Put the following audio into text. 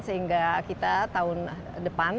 sehingga kita tahun depan